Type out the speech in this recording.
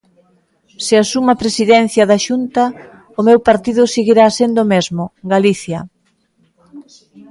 Se asumo a Presidencia da Xunta, o meu partido seguirá sendo o mesmo: Galicia.